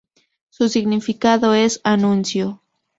Su significado es "anuncio".